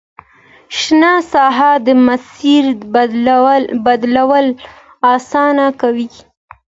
شنه ساحه د مسیر بدلول اسانه کوي